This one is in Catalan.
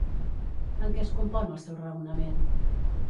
En què es compon el seu raonament?